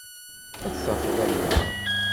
Ad tafeḍ albaɛḍ.